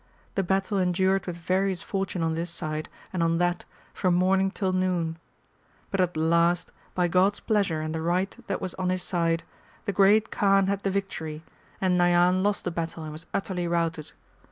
The battle endured with various fortune on this side and on that from morning till noon. But at the last, by God's pleasure and the right that was on his side, the Great Khan had the victory, and Nayan Chap. IV. NAKKARAS OR KETTLEDRUMS 339 lost the battle and was utterly routed.